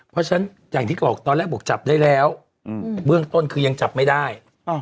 เพราะฉะนั้นอย่างที่บอกตอนแรกบอกจับได้แล้วเบื้องต้นคือยังจับไม่ได้